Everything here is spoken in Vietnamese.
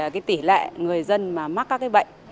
cái tỷ lệ người dân mà mắc các cái bệnh